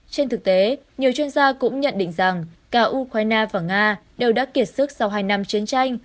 trên thực tế nhiều chuyên gia cũng nhận định rằng cả ukraine và nga đều đã kiệt sức sau hai năm chiến tranh